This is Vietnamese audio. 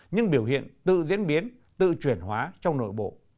nhưng biểu hiện tự diễn biến tự truyền hóa trong nội bộ